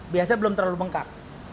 biasanya belum terlalu bengkak